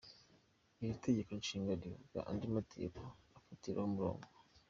Iyo itegeko Nshinga rivuze, andi mategeko afatiraho umurongo.